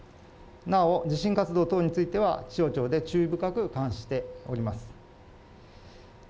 なお、地震活動等については、気象庁で注意深く監視しております。